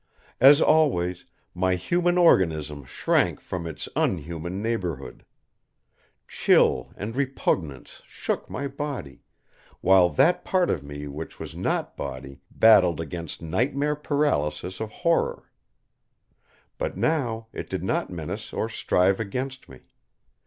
As always, my human organism shrank from Its unhuman neighborhood. Chill and repugnance shook my body, while that part of me which was not body battled against nightmare paralysis of horror. But now It did not menace or strive against me.